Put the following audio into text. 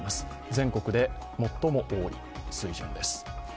全国で最も多い水準です。